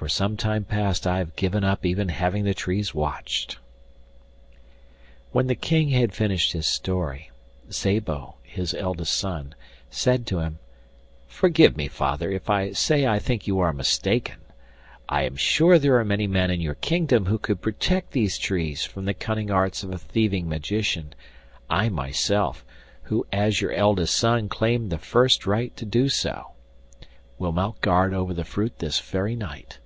For some time past I have given up even having the trees watched.' When the King had finished his story, Szabo, his eldest son, said to him: 'Forgive me, father, if I say I think you are mistaken. I am sure there are many men in your kingdom who could protect these trees from the cunning arts of a thieving magician; I myself, who as your eldest son claim the first right to do so, will mount guard over the fruit this very night.